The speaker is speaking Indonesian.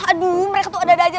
aduh mereka tuh ada aja